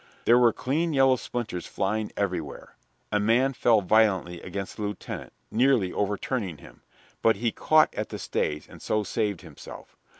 There were clean yellow splinters flying everywhere. A man fell violently against the lieutenant, nearly overturning him, but he caught at the stays and so saved himself.